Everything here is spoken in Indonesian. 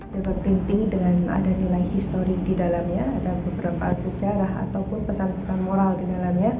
dapat printing dengan ada nilai histori di dalamnya ada beberapa sejarah ataupun pesan pesan moral di dalamnya